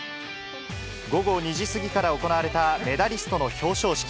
午後２時過ぎから行われたメダリストの表彰式。